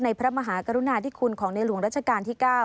พระมหากรุณาธิคุณของในหลวงรัชกาลที่๙